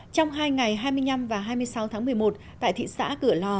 trong hai ngày hai mươi năm và hai mươi sáu tháng một mươi một